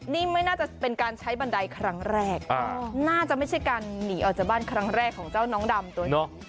นี่ไม่น่าจะเป็นการใช้บันไดครั้งแรกน่าจะไม่ใช่การหนีออกจากบ้านครั้งแรกของเจ้าน้องดำตัวนี้